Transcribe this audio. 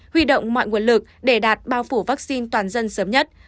huy động mọi nguồn lực để đạt bao phủ vaccine toàn dân sớm nhất